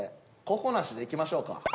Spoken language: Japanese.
ここな氏でいきましょうか。